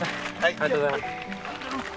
ありがとうございます。